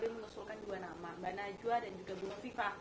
menusulkan dua nama mbak najwa dan juga bunga viva